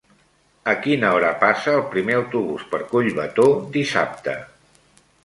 A quina hora passa el primer autobús per Collbató dissabte?